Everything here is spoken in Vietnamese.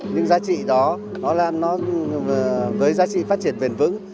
những giá trị đó nó với giá trị phát triển bền vững